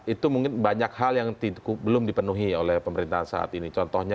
itu mungkin banyak hal yang belum dipenuhi oleh pemerintahan saat ini contohnya